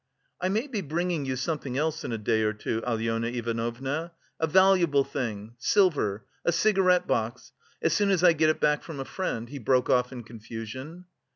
"I may be bringing you something else in a day or two, Alyona Ivanovna a valuable thing silver a cigarette box, as soon as I get it back from a friend..." he broke off in confusion.